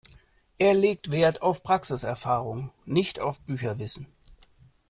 Er legt wert auf Praxiserfahrung, nicht auf Bücherwissen.